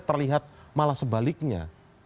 terlihat malah sebaliknya